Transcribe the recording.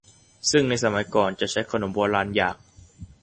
ซึ่งในสมัยก่อนจะใช้ขนมโบราณอย่าง